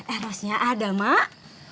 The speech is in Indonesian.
erosnya ada mak